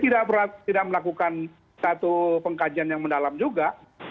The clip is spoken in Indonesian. laporan lainnya tidak melakukan satu pengkajian yang mendalam juga